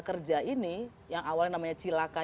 kerja ini yang awalnya namanya cilaka